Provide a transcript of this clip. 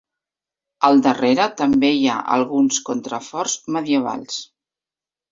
Al darrere també hi ha alguns contraforts medievals.